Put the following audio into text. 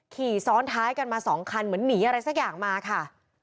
ขี่ซ้อนท้ายกันมาสองคันเหมือนหนีอะไรสักอย่างมาค่ะ